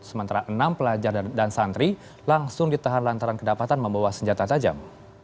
sementara enam pelajar dan santri langsung ditahan lantaran kedapatan membawa senjata tajam